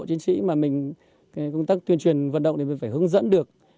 đồng chí mà mình công tác tuyên truyền vận động thì mình phải hướng dẫn được